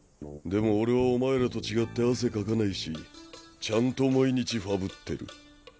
でも俺はお前らと違って汗かかないしちゃんと毎日ファブってる。